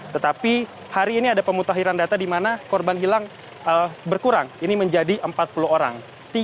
tetapi hari ini ada pemutahiran data di mana korban hilang berkurang ini menjadi empat puluh orang